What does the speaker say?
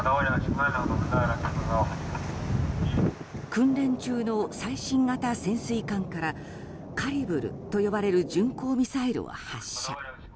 訓練中の最新型潜水艦からカリブルと呼ばれる巡航ミサイルを発射。